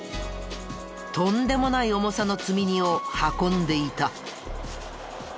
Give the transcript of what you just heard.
とんでもない重さの積み荷を運んでいた。